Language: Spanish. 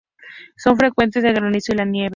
Son frecuentes el granizo y la nieve.